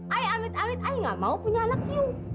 ayah amit amit ayah nggak mau punya anak you